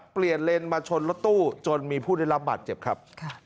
เปลี่ยนเลนมาชนรถตู้จนมีผู้ได้รับบาดเจ็บครับ